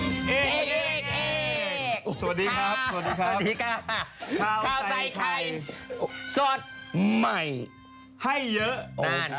สวัสดีครับสวัสดีครับสวัสดีค่ะข้าวใส่ไข่สดใหม่ให้เยอะนาน